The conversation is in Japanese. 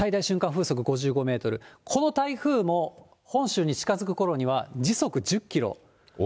風速５５メートル、この台風も本州に近づくころには時速１０キロ。